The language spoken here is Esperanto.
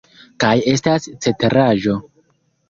Kaj estas ceteraĵo.